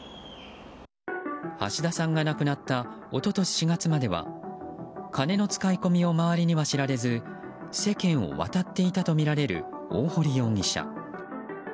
橋田さんが亡くなった一昨年４月までは金の使い込みを周りには知られず世間を渡っていたとみられる大堀容疑者。